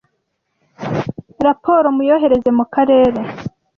raporo muyohereze mu karere.